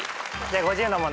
５０の問題